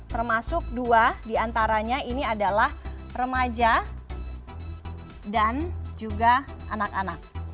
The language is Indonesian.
termasuk dua diantaranya ini adalah remaja dan juga anak anak